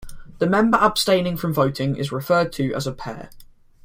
The member abstaining from voting is referred to as a pair.